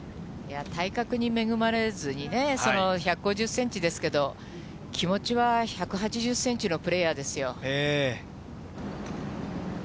体格に恵まれずにね、１５０センチですけれども、気持ちは１８０センチのプレーヤーですよ。